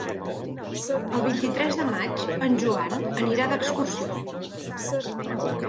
El vint-i-tres de maig en Joan anirà d'excursió.